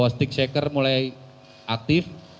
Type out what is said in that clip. sticksaker mulai aktif